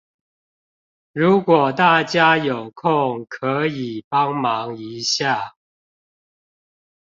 如果大家有空可以幫忙一下